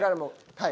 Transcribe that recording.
はい？